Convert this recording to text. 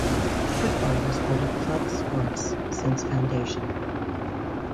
Football was part of clubs sports since foundation.